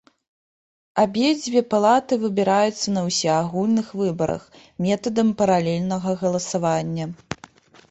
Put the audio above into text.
Абедзве палаты выбіраюцца на ўсеагульных выбарах, метадам паралельнага галасавання.